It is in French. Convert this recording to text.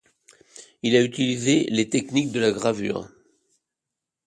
Il a utilisé les techniques de la gravure.